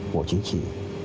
bộ chính trị